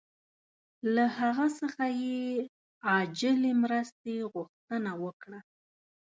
له هغه څخه یې عاجلې مرستې غوښتنه وکړه.